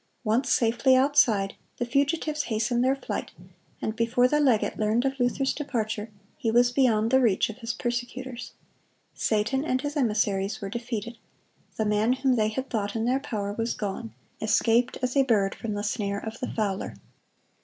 Once safely outside, the fugitives hastened their flight, and before the legate learned of Luther's departure, he was beyond the reach of his persecutors. Satan and his emissaries were defeated. The man whom they had thought in their power was gone, escaped as a bird from the snare of the fowler.